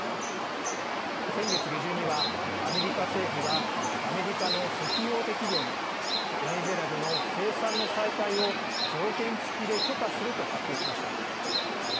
先月下旬には、アメリカ政府がアメリカの石油大手企業にベネズエラでの生産の再開を条件つきで許可すると発表しました。